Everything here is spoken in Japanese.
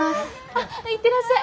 あっ行ってらっしゃい。